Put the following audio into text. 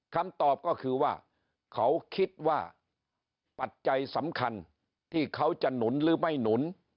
คำตอบก็คือว่าเขาคิดว่าปัจจัยสำคัญที่เขาจะหนุนหรือไม่หนุน